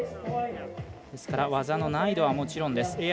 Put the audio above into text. ですから技の難易度はもちろんです。